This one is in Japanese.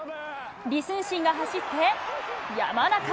李承信が走って、山中。